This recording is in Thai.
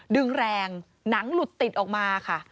ดึงแรงหนังหลุดติดออกมาค่ะ